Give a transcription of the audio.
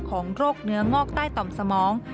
ของโรคเนื้องอกใต้ต่อมสมอง